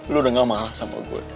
lu udah gak marah sama gue